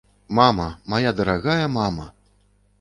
Мама, мая дарагая мама!